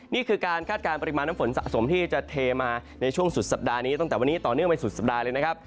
นี่คือการคาดการณ์ปริมาณน้ำฝนสะสมที่จะเทมาในช่วงสุดสัปดาห์นี้ตั้งแต่วันนี้ต่อเนื่องไปสุดสัปดาห์เลยนะครับ